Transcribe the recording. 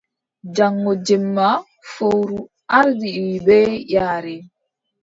Jaŋgo jemma fowru ardiri bee yaare.